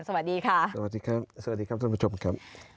สวัสดีค่ะสวัสดีครับทุกผู้ชมครับ